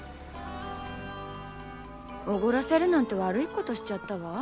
おごらせるなんて悪いことしちゃったわ。